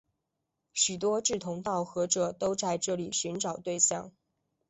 许多志同道合者都在这里寻找对象。